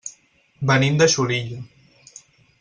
Venim de Xulilla.